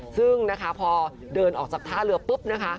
ซึ่งนะคะพอเดินออกจากท่าเรือปุ๊บนะคะ